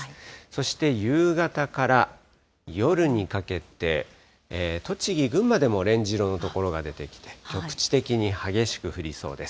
そして、夕方から夜にかけて、栃木、群馬でもオレンジ色の所が出てきて、局地的に激しく降りそうです。